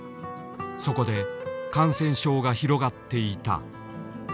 そこで感染症が広がっていた。